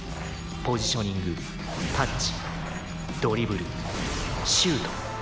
ポジショニングタッチドリブルシュート。